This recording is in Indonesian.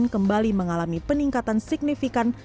kembali mengalami peningkatan signifikan